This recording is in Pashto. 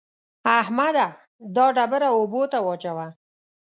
احمده! دا ډبره اوبو ته واچوه.